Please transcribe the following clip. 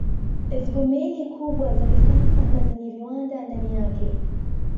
Zipo meli kubwa za kisasa na zenye viwanda ndani yake